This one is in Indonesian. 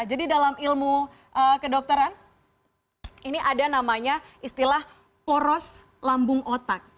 jadi dalam ilmu kedokteran ini ada namanya istilah poros lambung otak